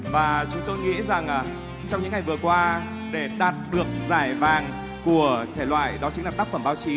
và chúng tôi nghĩ rằng trong những ngày vừa qua để đạt được giải vàng của thể loại đó chính là tác phẩm báo chí